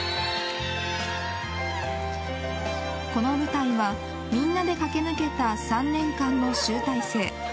この舞台はみんなで駆け抜けた３年間の集大成。